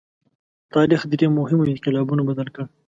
تاریخ درې مهمو انقلابونو بدل کړ.